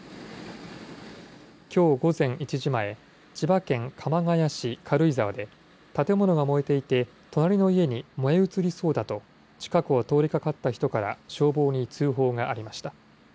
きょう午前１時前、千葉県鎌ケ谷市軽井沢で、建物が燃えていて、隣の家に燃え移りそうだと、近くを通りかかった人から消防に通報がありました。